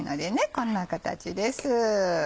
こんな形です。